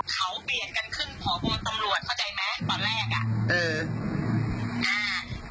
เขาเปลี่ยนกันขึ้นพอคนตำรวจเขาใจแม่ตอนแรก